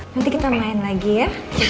nanti kita main lagi ya